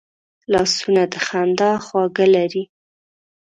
لاسونه د خندا خواږه لري